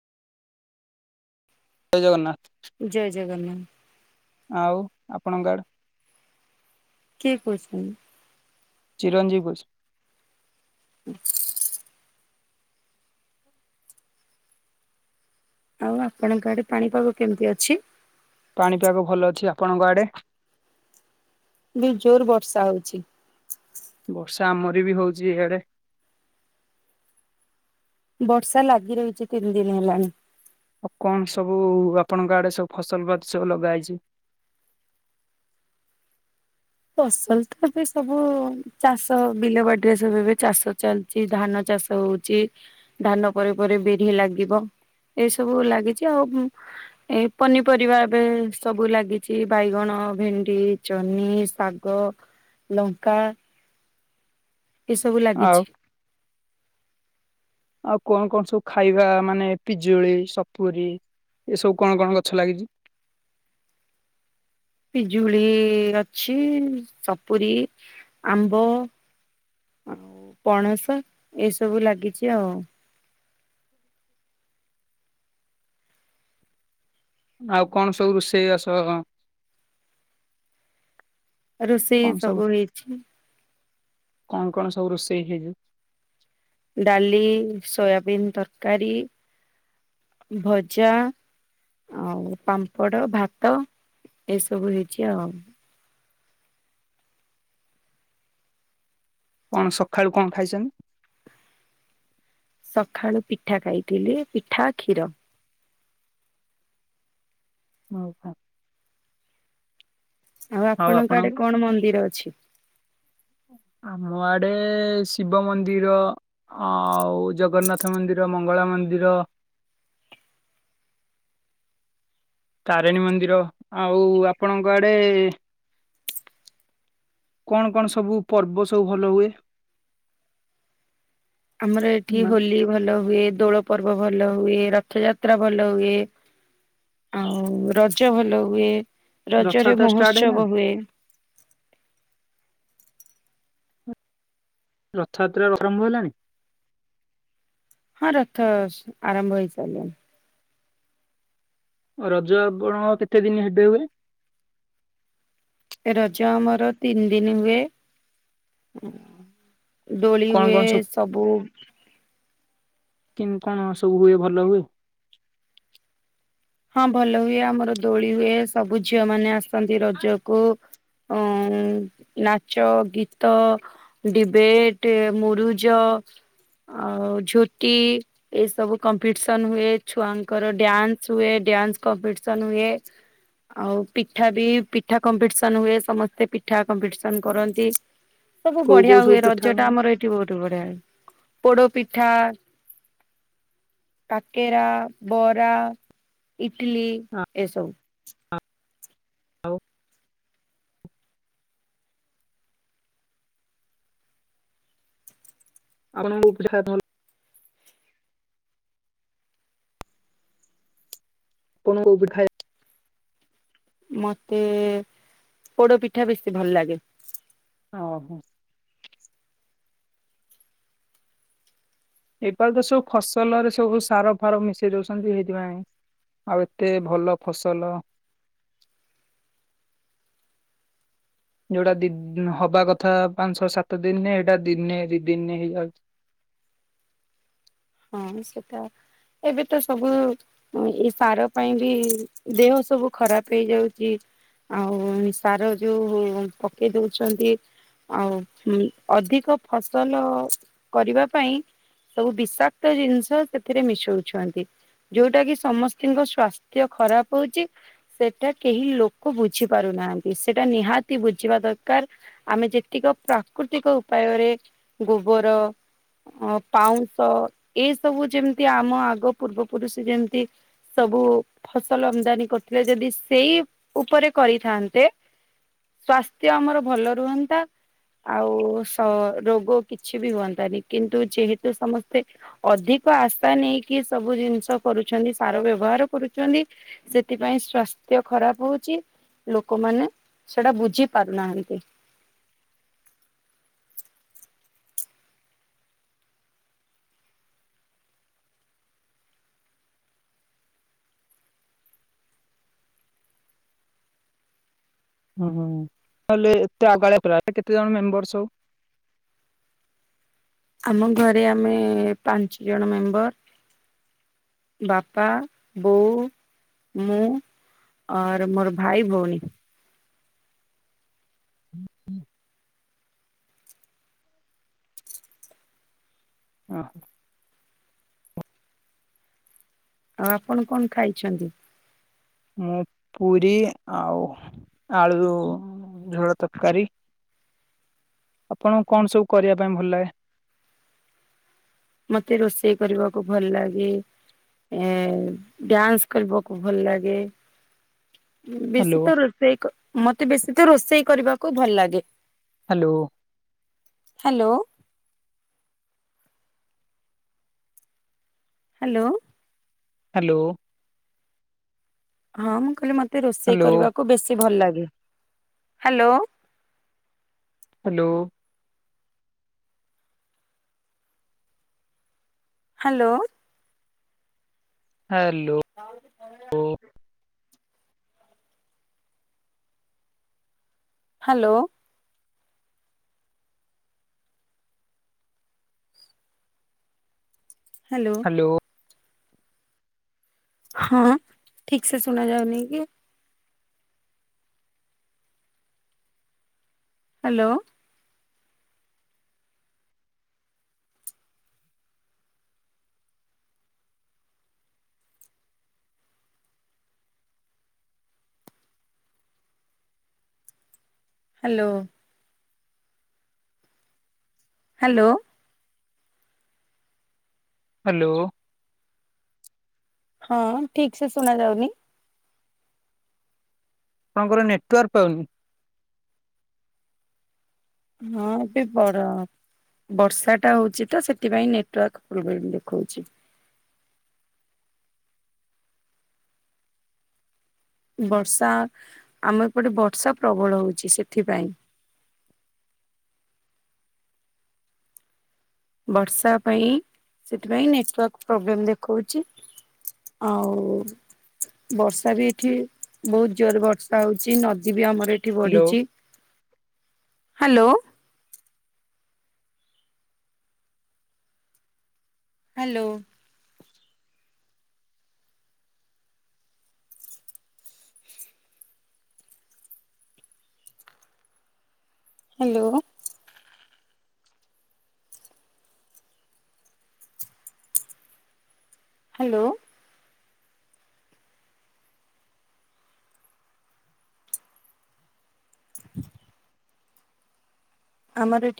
ଜୟ ଜଗନ୍ନାଥ ଜୟ ଜଗନ୍ନାଥ। ଆଉ ଆପଣଙ୍କ ଆଡେ କିଏ କହୁଛନି? ଚିରଞ୍ଜିବ [unintelligible] [inaudible] ଆଉ ଆପଣଙ୍କ ଆଡେ ପାଣିପାଗ କେମିତି ଅଛି? ପାଣି ପାଗ ଭଲ ଅଛି, ଆପଣଙ୍କ ଆଡେ? ବି ଜୋର ବର୍ଷା ହଉଛି। ବର୍ଷା ଆମରି ବି ହଉଛି ଇଆଡେ। ବର୍ଷା ଲାଗି ରହିଛି ତିନି ଦିନ ହେଲାଣି। ଆଉ କଣ ସବୁ ଆପଣଙ୍କ ଆଡେ ସବୁ ଫସଲ ଗଛ ଲଗା ହେଇଛି? ଫସଲ ତ ଏବେ ସବୁ ଚାଷ ବିଲ ବାଡିରେ ସବୁ ଏବେ ଚାଷ ଚାଲିଚି, ଧାନ ଚାଷ ହଉଛି। ଧାନ ପରେ ପରେ ବିରି ଲାଗିବ ଏଇ ସବୁ ଲାଗିଛି ଆଉ ହୁଁ,। ଏ ପନିପରିବା ଏବେ ସବୁ ଲାଗିଛି ବାଇଗଣ, ଭେଣ୍ଡି, ଜନି ଶାଗ, ଲଙ୍କା ଏ ସବୁ ଆଉ ଲାଗିଛି। ଆଉ କଣ କଣ ସବୁ ଖାଇବା ମାନେ ପିଜୁଳି, ସପୁରୀ ଏ ସବୁ କଣ କଣ ଗଛ ଲାଗିଛି? ପିଜୁଳି ଅଛି, ସପୁୁରୀ, ଆମ୍ବ ଆଉ ପଣସ ଏସବୁ ଲାଗିଛି ଆଉ। ଆଉ କଣ ସବୁ ରୋଷେଇ ଆସ ରୋଷେଇ ସବୁ ହେଇଛି। କଣ କଣ ସବୁ ରୋଷେଇ ହେଇଚି? ଡାଲି, ସୋୟାବିନ ତରକାରୀ, ଭଜା ଆଉ ପାମ୍ପଡ଼, ଭାତ ଏସବୁ ହେଇଛି ଆଉ। କଣ ସଖାଳୁ କଣ ଖାଇଛନ୍ତି? ସଖାଳୁ ପିଠା ଖାଇଥିଲି, ପିଠା, କ୍ଷୀର। ମୋ ଭ ଆଉ ଆପଣଙ୍କ ଆଡେ କଣ ମନ୍ଦିର ଅଛି? ଆମ ଆଡେ ଶିବ ମନ୍ଦିର ଆଉ ଜଗନ୍ନାଥ ମନ୍ଦିର, ମଙ୍ଗଳା ମନ୍ଦିର ତାରିଣୀ ମନ୍ଦିର ଆଉ ଆପଣଙ୍କ ଆଡ଼େ କଣ କଣ ସବୁ ପର୍ବ ସବୁ ଭଲ ହୁଏ? ଆମର ଏଠି ମାନେ ହୋଲି ଭଲ ହୁଏ, ଦୋଳ ପର୍ବ ଭଲ ହୁଏ, ରଥଯାତ୍ରା ଭଲ ହୁଏ। ଆଉ ରଜ ଭଲ ହୁଏ, ରଜରେ ରଥଯାତ୍ରା ଷ୍ଟାର୍ଟ ହେଲାଣି ମହୋତ୍ସବ ହୁଏ। ରଥଯାତ୍ରା ଆରମ୍ଭ ହେଲାଣି? ହଁ ରଥ ସ-ଆରମ୍ଭ ହେଇସାରିଲାଣି। ରଜ ଆପଣ କେତେ ଦିନ ହେବେ ହୁଏ? ରଜ ଆମର ତିନି ଦିନ ହୁଏ। ଡୋଳି କଣ ହୁଏ କଣ ସବୁ କି କଣ ସବୁ ହୁଏ ଭଲ ହୁଏ? ହଁ ଭଲ ହୁଏ, ଆମର ଦୋଳି ହୁଏ, ସବୁ ଝିଅ ମାନେ ଆସନ୍ତି ରଜକୁ। ଅଁ, ଉଁ, ନାଚ, ଗୀତ ଡିବେଟେ, ମୁରୁଜ ଆଉ ଝୋଟି ଏସବୁ କମ୍ପିଟିସନ୍ ହୁଏ, ଛୁଆଙ୍କର ଡ୍ୟାନ୍ସ ହୁଏ ଡ୍ୟାନ୍ସ କମ୍ପିଟିସନ ହୁଏ। ଆଉ ପିଠା ବି ପିଠା କମ୍ପିଟିସନ ହୁଏ ସମସ୍ତେ ପିଠା କମ୍ପିଟିସନ କରନ୍ତି। ଁ ସବୁ ବଢିଆ ହୁଏ ରଜ ଟା ଆମର ଏଇଠି ବହୁତ ବଢିଆ ପୋଡ ପିଠା। କାକେରା ବରା ଇଟିଲି ଏସବୁ। [unintelligible] [unintelligible] [unintelligible] ମତେ ପୋଡ ପିଠା ବେଶୀ ଭଲ ଲାଗେ। ଅ ଏପାର ତ ସବୁ ଫସଲରେ ସବୁ ସାର ଫାର ମିଶେଇ ଦଉଛନ୍ତି ଏଇଥିପାଇଁ। ଆଉ ଏତେ ଭଲ ଫସଲ ଯୋଉଟା ଦି ହବା କଥା ପାଞ୍ଚ ଛଅ ସାତ ଦିନିରେ ଏଇଟା ଦିନେ ଦି ଦିନି ହେଇଯାଉଛି। ହଁ ସେଟା ଏବେତ ସବୁ ହଁ ଏ ସାର ପାଇଁ ବି ଦେହ ସବୁ ଖରାପ ହେଇଯାଉଚି। ଆଉ ସାର ଯଉ ପକେଇ ଦଉଚନ୍ତି। ଆଉ ହୁଁ ଅଧିକ ଫସଲ କରିବା ପାଇଁ ସବୁ ବିଷା ତ ଜିନିଷ ସେଥିରେ ମିଶଉଛନ୍ତି। ଯୋଉଟା କି ସମସ୍ତଙ୍କ ସ୍ଵାସ୍ଥ୍ୟ ଖରାପ ହଉଛି। ସେଟା କେହି ଲୋକ ବୁଝି ପାରୁନାହାନ୍ତି ସେଟା ନିହାତି ବୁଝିବା ଦରକାର। ଆମେ ଯେତିକ ପ୍ରାକୃତିକ ଉପାୟରେ ଗୋବର। ଅ ପାଉଁଶ ଏଇ ସବୁ ଯେମିତି ଆମ ଆଗ ପୂର୍ବ ପୁରୁଷ ଯେମିତି ସବୁ ଫସଲ ଅମଦାନୀ କରୁଥିଲେ ଯଦି ସେଇ ଉପରେ କରିଥାନ୍ତେ। ସ୍ଵାସ୍ଥ୍ୟ ଆମର ଭଲ ରୁହନ୍ତା। ଆଉ ସ ରୋଗ କିଛି ବି ହୁଅନ୍ତାନି କିନ୍ତୁ ଯେହେତୁ ସମସ୍ତେ ଅଧିକ ଆଶା ନେଇକି ସବୁ ଜିନିଷ କରୁଛନ୍ତି ସାର ବ୍ୟବହାର କରୁଚନ୍ତି। ସେଥିପାଇଁ ସ୍ଵାସ୍ଥ୍ୟ ଖରାପ ହଉଛି। ଲୋକମାନେ ସେଟା ବୁଝି ପାରୁନାହାନ୍ତି। ହୁଁ ହୁଁ କଲେ ଏତେ ଅଗାଳିଆ ପିଲା କେତେ ଜଣ ମେମ୍ବର ସବୁ। ଆମ ଘରେ ଆମେ ପାଞ୍ଚ ଜଣ ମେମ୍ବର। ବାପା ବୋଉ ମୁଁ ଅର୍ ମୋର ଭାଇ ଭଉଣୀ। ହଁ। ଆଉ ଆପଣ କଣ ଖାଇଛନ୍ତି? ମୁଁ ପୁରୀ ଆଉ ଆଲୁ ଝୋଳ ତରକାରୀ। ଆପଣଙ୍କୁ କଣ ସବୁ କରିବା ପାଇଁ ଭଲ ଲାଗେ? ମତେ ରୋଷେଇ କରିବାକୁ ଭଲ ଲାଗେ। ଏ ଡ୍ୟାନ୍ସ କରିବାକୁ ଭଲ ଲାଗେ। ବେଶୀ ହ୍ୟାଲୋ ତ ରୋଷେଇ ମତେ ବେଶୀ ତ ରୋଷେଇ କରିବାକୁ ଭଲ ଲାଗେ। ହାଲୋ। ହାଲୋ। ହାଲୋ। ହାଲୋ। ହଁ ମୁଁ କହିଲି ମୋତେ ରୋଷେଇ ହ୍ୟାଲୋ କରିବାକୁ। ବେଶୀ ଭଲ ଲାଗେ ହାଲୋ। ହ୍ୟାଲୋ। ହ୍ୟାଲୋ। ହ୍ୟାଲୋ। ହ [unintelligible] ହ୍ୟାଲୋ। ହ୍ୟାଲୋ। ହ୍ୟାଲୋ। ହଁ ଠିକ ସେ ଶୁଣା ଯାଉନି କି? ହ୍ୟାଲୋ। ହ୍ୟାଲୋ। ହ୍ୟାଲୋ। ହ୍ୟାଲୋ। ହଁ ଠିକ୍ ସେ ଶୁଣା ଯାଉନି। ଆପଣଙ୍କର ନେଟୱାର୍କ ପାଉନି। ହଁ ପି ପର। ବର୍ଷା ଟା ହଉଛି ତ ସେଥିପାଇଁ ନେଟୱାର୍କ ପ୍ରୋବ୍ଲେମ ଦେଖଉଛି। ବର୍ଷା ଆମ ଏପଟେ ବର୍ଷା ପ୍ରବଳ ହଉଛି ସେଥିପାଇଁ। ବର୍ଷା ପାଇଁ ସେଥିପାଇଁ ନେଟୱାର୍କ ପ୍ରୋବ୍ଲେମ ଦେଖାଉଛି। ଆଉ। ବର୍ଷା ବି ଏଠି ବହୁତ ଜୋର ବର୍ଷା ହଉଛି ନଦୀ ବି ଆମର ଏଠି। ଠି ହ୍ୟାଲୋ। ବଢ଼ିଛି ହ୍ୟାଲୋ। ହ୍ୟାଲୋ। ହ୍ୟାଲୋ। ହ୍ୟାଲୋ। [inaudible] ଆମର ଏଠି।